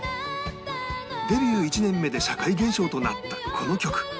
デビュー１年目で社会現象となったこの曲